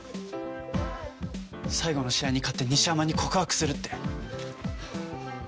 最後の試合に勝って西山に告白するって。